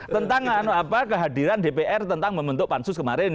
tentang kehadiran dpr tentang membentuk pansus kemarin